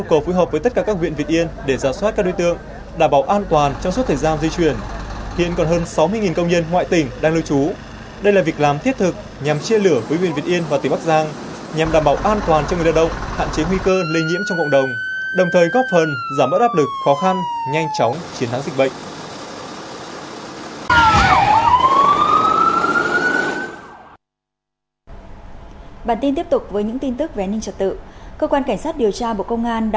cơ quan cảnh sát điều tra bộ công an đang tập trung lực lượng khẩn trương làm rõ hành vi sai phạm của các bị can